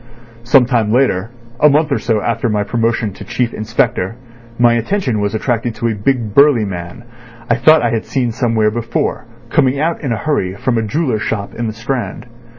"Some time later, a month or so after my promotion to Chief Inspector, my attention was attracted to a big burly man, I thought I had seen somewhere before, coming out in a hurry from a jeweller's shop in the Strand.